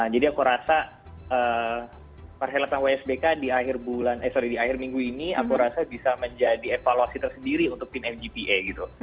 jadi aku rasa perhelatan wsbk di akhir minggu ini aku rasa bisa menjadi evaluasi tersendiri untuk pin mgpa gitu